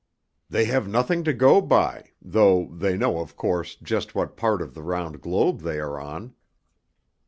They have nothing to go by, though they know, of course, just what part of the round globe they are on."